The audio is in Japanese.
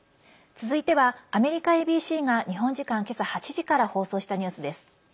続いては、アメリカＡＢＣが日本時間、今朝８時から放送したニュースです。